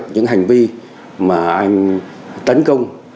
những hành vi tấn công